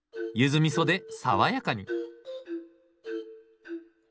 ゆずみそで爽やかに。